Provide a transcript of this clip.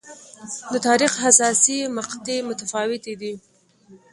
د تاریخ حساسې مقطعې متفاوتې دي.